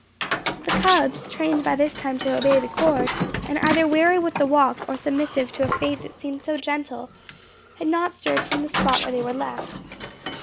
The cubs, trained by this time to obey the cord, and either weary with the walk, or submissive to a fate that seemed so gentle, had not stirred from the spot where they were left.